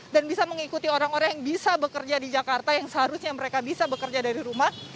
dan bisa mengikuti orang orang yang bisa bekerja di jakarta yang seharusnya mereka bisa bekerja dari rumah